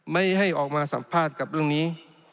ไม่ให้ออกมาสัมภาษณ์กับเรื่องนี้